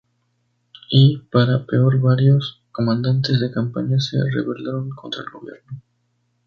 Y, para peor, varios comandantes de campaña se rebelaron contra el gobierno.